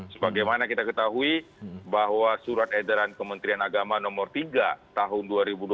sebagaimana kita ketahui bahwa surat edaran kementerian agama nomor tiga tahun dua ribu dua puluh satu